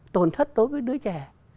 tổn thất đối với đứa trẻ